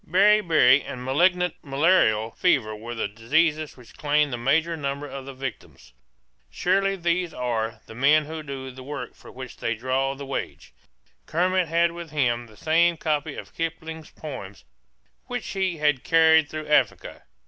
Beriberi and malignant malarial fever were the diseases which claimed the major number of the victims. Surely these are "the men who do the work for which they draw the wage." Kermit had with him the same copy of Kipling's poems which he had carried through Africa.